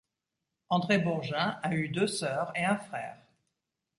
André Bourgin a eu deux sœurs et un frère.